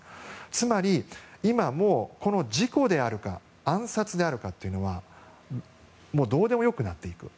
つまり今、事故であるか暗殺であるかというのはどうでもよくなっている。